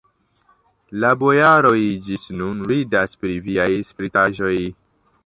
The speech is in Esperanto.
La bojaroj ĝis nun ridas pri viaj spritaĵoj.